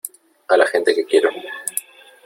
a la gente que quiero .